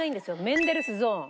メンデルスゾーン。